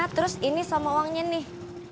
terus ini sama uangnya nih